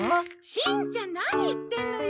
しんちゃん何言ってんのよ！